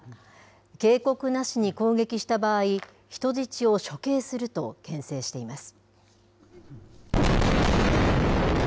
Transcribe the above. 警告なしに攻撃した場合、人質を処刑するとけん制しています。